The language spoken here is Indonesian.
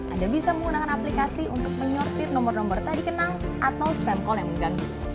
anda bisa menggunakan aplikasi untuk menyortir nomor nomor tadi kenal atau stem call yang mengganggu